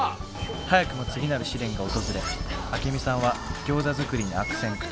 早くも次なる試練が訪れアケミさんはギョーザ作りに悪戦苦闘。